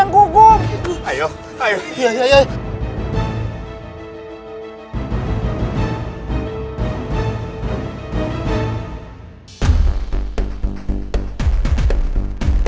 em kalau kamu gak bisa menangin aku